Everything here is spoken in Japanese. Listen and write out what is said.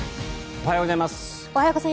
おはようございます。